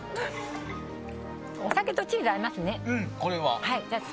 お酒とチーズが合いますね。